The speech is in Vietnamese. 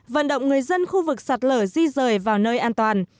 vận động người dân khu vực sạt lở di rời vào nơi an toàn